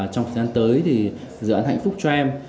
trong thời gian tới thì dự án hạnh phúc cho em